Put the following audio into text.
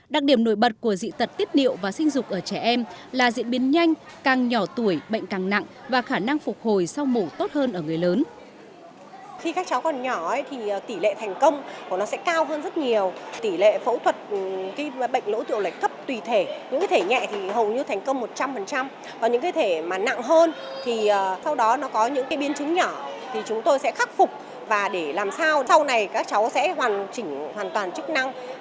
đặc điểm nổi bật của dị tật tiết niệu và sinh dục ở trẻ em là diễn biến nhanh càng nhỏ tuổi bệnh càng nặng và khả năng phục hồi sau mổ tốt hơn ở người lớn